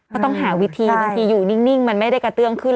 ก็ต้องหาวิธีบางทีอยู่นิ่งมันไม่ได้กระเตื้องขึ้น